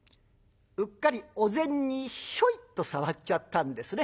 うっかりお膳にひょいと触っちゃったんですね。